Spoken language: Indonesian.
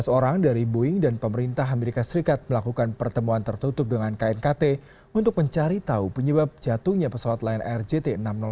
empat belas orang dari boeing dan pemerintah amerika serikat melakukan pertemuan tertutup dengan knkt untuk mencari tahu penyebab jatuhnya pesawat lain rgt enam ratus satu